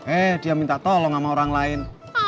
eh dia minta tolong sama orang lain